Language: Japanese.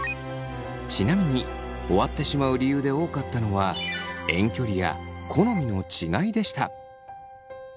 ちなみに終わってしまう理由で多かったのは遠距離や好みの違いでした。